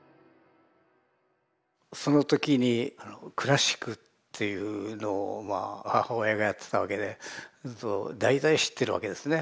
その時にクラシックっていうのを母親がやってたわけでそうすると大体知ってるわけですね